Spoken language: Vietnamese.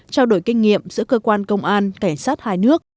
trao đổi kinh nghiệm giữa cơ quan công an cảnh sát hai nước